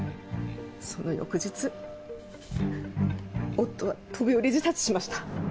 その翌日夫は飛び降り自殺しました。